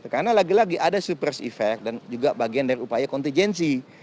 karena lagi lagi ada super effect dan juga bagian dari upaya kontijensi